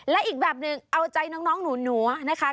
และอีกแบบหนึ่งเอาใจน้องหนูนะคะ